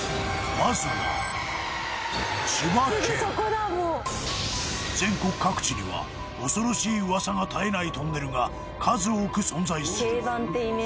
まずは全国各地には恐ろしい噂が絶えないトンネルが数多く存在する